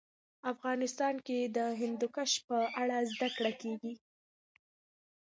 افغانستان کې د هندوکش په اړه زده کړه.